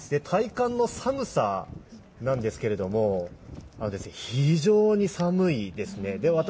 体感の寒さなんですけど非常に寒いですね。